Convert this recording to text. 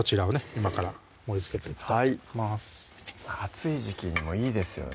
今から盛りつけていきたいと思います暑い時期にもいいですよね